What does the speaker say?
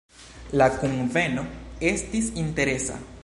La kunveno estis interesa.